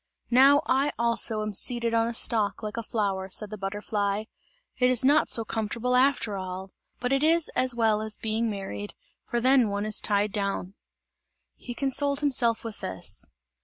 "Now I also am seated on a stalk like a flower," said the butterfly, "it is not so comfortable after all! But it is as well as being married, for then one is tied down!" He consoled himself with this.